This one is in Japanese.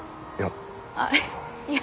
いや。